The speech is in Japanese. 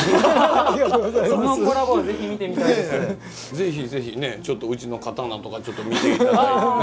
ぜひぜひねちょっとうちの刀とかちょっと見て頂いてね。